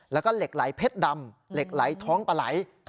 แล้วก็เหล็กไหลเพชรดำเหล็กไหลท้องปลาไหล